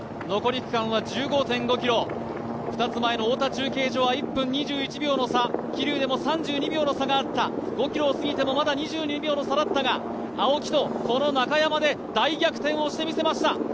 残り区間は１５．５ｋｍ、２つ前の太田中継所では１分２１秒の差、桐生でも差があった５ｋｍを過ぎてもまだ２２秒の差でしたが、青木とこの中山で大逆転をしてみせました。